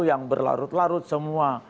yang berlarut larut semua